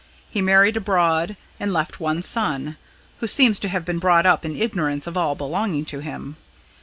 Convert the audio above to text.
He married abroad and left one son, who seems to have been brought up in ignorance of all belonging to him.